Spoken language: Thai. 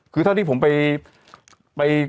คือถ้าที่ผมไป